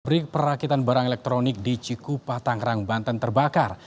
brik perakitan barang elektronik di cikupa tangerang banten terbakar